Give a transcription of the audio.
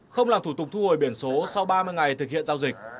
không làm thủ tục thu hồi biển số sau ba mươi ngày thực hiện giao dịch